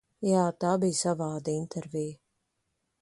Jā, tā bija savāda intervija.